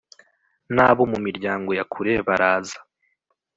n abo mu miryango ya kure baraza